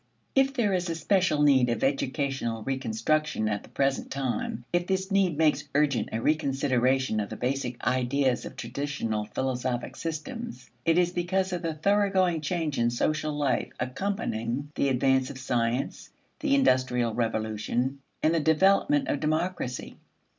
If there is especial need of educational reconstruction at the present time, if this need makes urgent a reconsideration of the basic ideas of traditional philosophic systems, it is because of the thoroughgoing change in social life accompanying the advance of science, the industrial revolution, and the development of democracy.